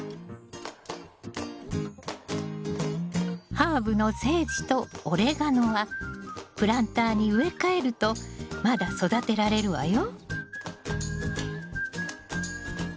ハーブのセージとオレガノはプランターに植え替えるとまだ育てられるわよ。